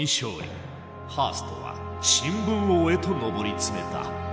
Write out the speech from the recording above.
ハーストは新聞王へと上り詰めた。